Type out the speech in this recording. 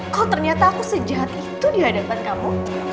kau ternyata aku sejahat itu di hadapan kamu